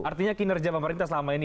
artinya kinerja pemerintah selama ini